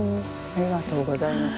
ありがとうございます。